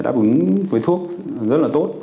đáp ứng với thuốc rất là tốt